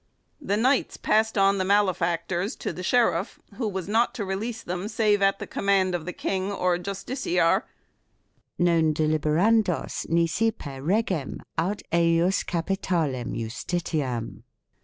The knights passed on the malefactors to the sheriff, who was not to release them save at the command of the King or justiciar " non 'deliberandos nisi per regem aut ejus capitalem justitiam